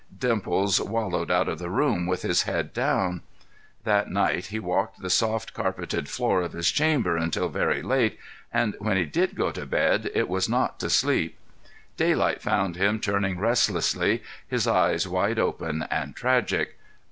Dimples wallowed out of the room with his head down. That night he walked the soft carpeted floor of his chamber until very late, and when he did go to bed it was not to sleep. Daylight found him turning restlessly, his eyes wide open and tragic.